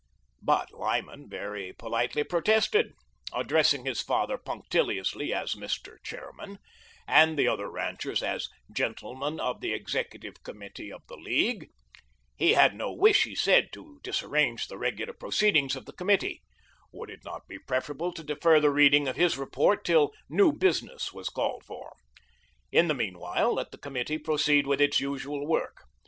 But Lyman very politely protested, addressing his father punctiliously as "Mr. Chairman," and the other ranchers as "Gentlemen of the Executive Committee of the League." He had no wish, he said, to disarrange the regular proceedings of the Committee. Would it not be preferable to defer the reading of his report till "new business" was called for? In the meanwhile, let the Committee proceed with its usual work.